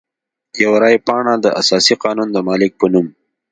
یوه رای پاڼه د اساسي قانون د مالک په نوم.